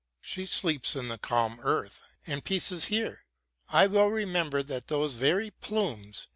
She sleeps in the calm earth, and peace is here. I well remember that those very plumes.